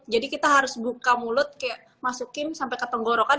jadi kita harus buka mulut kayak masukin sampai ke tenggorokan